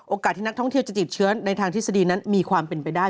ที่นักท่องเที่ยวจะติดเชื้อในทางทฤษฎีนั้นมีความเป็นไปได้